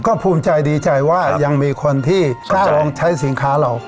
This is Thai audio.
ก็ภูมิใจดีใจว่ายังมีคนที่จองใช้สินค้าเรา